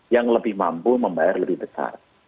yang lebih mampu membayar lebih besar